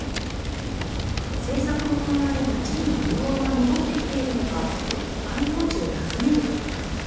政策の緩和で街に潤いは戻ってきているのか、観光地を訪ねると。